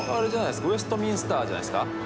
ウエストミンスターじゃないですか？